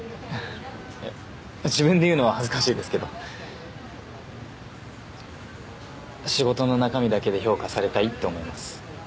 自分で言うのは恥ずかしいですけど仕事の中身だけで評価されたいって思います